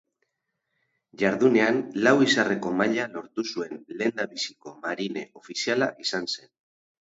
Jardunean lau-izarreko maila lortu zuen lehendabiziko marine ofiziala izan zen.